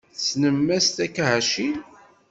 Tessnem Mass Takahashi?